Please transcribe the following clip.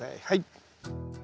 はい。